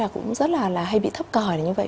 cũng rất là hay bị thấp còi như vậy